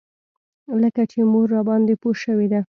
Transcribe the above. لکه چې مور راباندې پوه شوې ده.